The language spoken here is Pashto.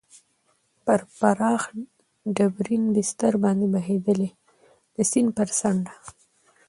پر پراخ ډبرین بستر باندې بهېدلې، د سیند پر څنډه.